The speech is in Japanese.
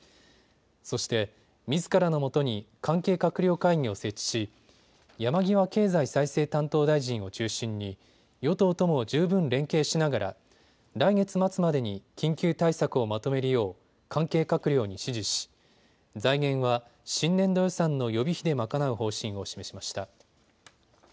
そして、みずからのもとに関係閣僚会議を設置し山際経済再生担当大臣を中心に与党とも十分連携しながら来月末までに緊急対策をまとめるよう関係閣僚に指示し財源は新年度予算の予備費で賄う方針を示しました。